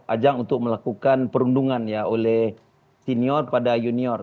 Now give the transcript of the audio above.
ajang untuk melakukan perundungan ya oleh senior pada junior